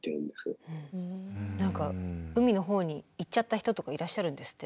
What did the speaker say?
何か海の方に行っちゃった人とかいらっしゃるんですって。